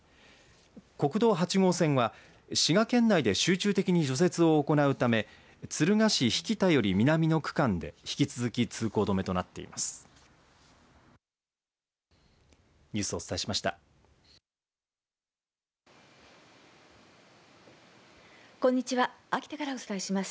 国道８号線は滋賀県内で集中的に除雪を行うため敦賀市疋田より南の区間で引き続き通行止めとなっています。